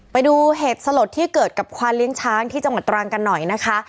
ไปดูเหตุสลดที่เกิดกับควานเลี้ยงช้างที่จังหวัดตรังกันหน่อยนะคะ